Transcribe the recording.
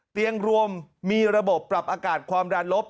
เตียงรวมมีระบบปรับอากาศความดันลบ